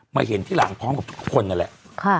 มาเห็นที่หลังพร้อมกับทุกคนนั่นแหละ